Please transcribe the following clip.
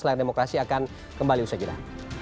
layar demokrasi akan kembali usai jeda